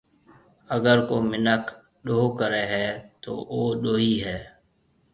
اگر ڪو مِنک ڏوه ڪريَ هيَ تو او ڏوهِي هيَ۔